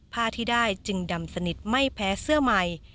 ผ้าที่ได้จึงดำสนิทไม่แพ้เสื้อใหม่